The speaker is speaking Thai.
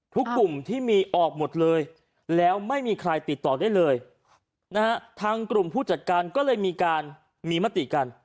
กลุ่มที่มีออกหมดเลยแล้วไม่มีใครติดต่อได้เลยนะฮะทางกลุ่มผู้จัดการก็เลยมีการมีมติกัน